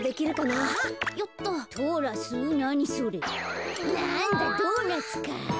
なんだドーナツか。